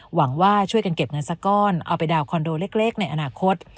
หวังว่าช่วยกันเก็บเงินสักก้อนเอาไปดาวนคอนโดเล็กในอนาคต